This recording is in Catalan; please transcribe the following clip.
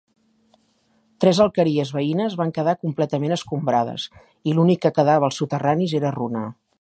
Tres alqueries veïnes van quedar completament escombrades, i l'únic que quedava als soterranis era runa.